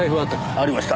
ありました。